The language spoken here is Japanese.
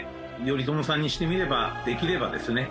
頼朝さんにしてみればできればですね